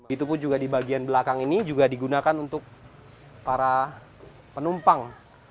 itu pun juga di bagian belakang ini juga digunakan untuk para penumpang